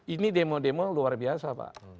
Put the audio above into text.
ini demo demo luar biasa pak